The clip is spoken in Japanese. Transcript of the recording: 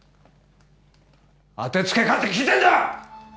当てつけかって聞いてんだ！